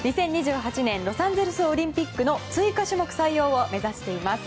２０２８年ロサンゼルスオリンピックの追加種目採用を目指しています。